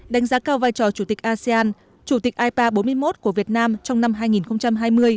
đánh giá cao vai trò chủ tịch asean chủ tịch ipa bốn mươi một của việt nam trong năm hai nghìn hai mươi